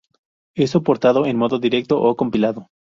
Es soportado en modo directo o compilado.